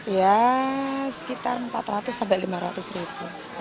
ya sekitar rp empat ratus sampai rp lima ratus